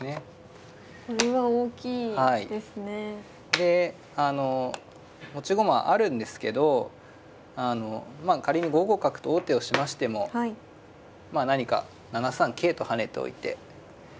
であの持ち駒あるんですけどまあ仮に５五角と王手をしましてもまあ何か７三桂と跳ねておいて